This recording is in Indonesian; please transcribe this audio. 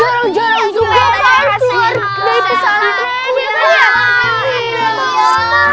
jarang jarang juga kan keluar dari pesantren